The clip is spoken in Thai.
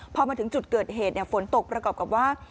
พอมาถึงจุดเกิดเหตุฝนตกประกอบกับว่า